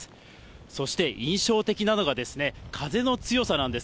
そして、印象的なのが風の強さなんです。